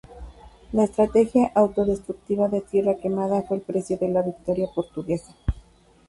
La estrategia autodestructiva de tierra quemada fue el precio de la victoria portuguesa.